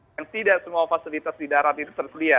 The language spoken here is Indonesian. yang tidak semua fasilitas di darat itu tersedia